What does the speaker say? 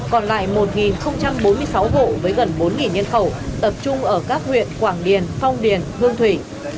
còn lại một bốn mươi sáu hộ với gần bốn nhân khẩu tập trung ở các huyện quảng điền phong điền hương thủy